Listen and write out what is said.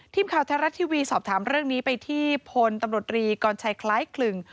ทีมข่าวไทยรัฐทีวีสอบถามเรื่องนี้ไปที่พลตำรวจรีกรชัยคล้ายคลึง